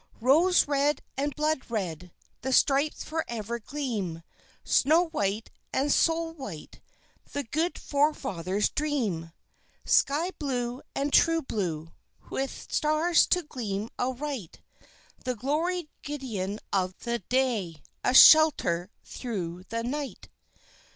Rose red and blood red The stripes forever gleam; Snow white and soul white The good forefathers' dream; Sky blue and true blue, with stars to gleam aright The gloried guidon of the day; a shelter through the night.